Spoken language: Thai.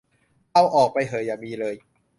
เอาออกไปเหอะอย่ามีเลย